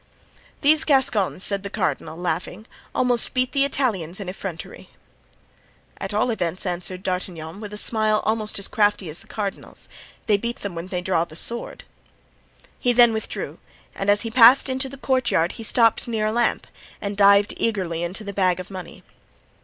"These Gascons," said the cardinal, laughing, "almost beat the Italians in effrontery." "At all events," answered D'Artagnan, with a smile almost as crafty as the cardinal's, "they beat them when they draw their swords." He then withdrew, and as he passed into the courtyard he stopped near a lamp and dived eagerly into the bag of money.